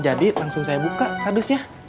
jadi langsung saya buka kadusnya